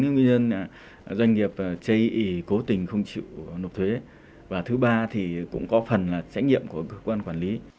nhưng vẫn khá cao so với một số nước trong khu vực như philippines ba mươi